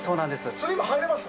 それも入れます？